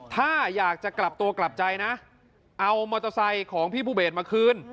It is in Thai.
ถ้าอยากจะกลับตัวกลับใจนะเอามอเตอร์ไซค์ของพี่ภูเบสมาคืน